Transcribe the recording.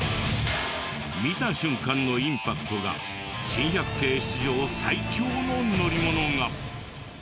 見た瞬間のインパクトが珍百景史上最強の乗り物が。